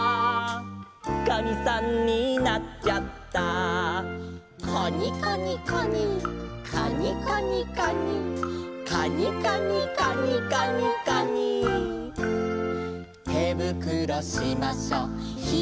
「かにさんになっちゃった」「カニカニカニ」「カニカニカニ」「カニカニカニカニカニ」「てぶくろしましょひらいてぱんぱん」